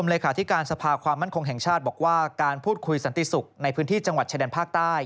เลขาธิการสภาความมั่นคงแห่งชาติบอกว่าการพูดคุยสันติศุกร์ในพื้นที่จังหวัดชายแดนภาคใต้